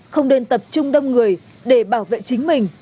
không nên tập trung đông người để bảo vệ chính mình